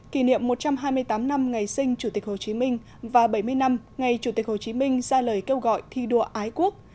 kỷ niệm một trăm hai mươi tám năm ngày sinh chủ tịch hồ chí minh và bảy mươi năm ngày chủ tịch hồ chí minh ra lời kêu gọi thi đua ái quốc